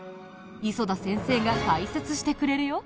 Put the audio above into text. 磯田先生が解説してくれるよ。